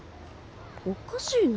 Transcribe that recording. おかしいな。